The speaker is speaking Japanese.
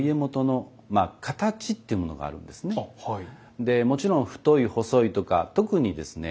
でもちろん太い細いとか特にですね